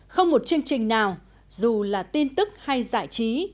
không một chương trình nào dù là tin tức hay giải trí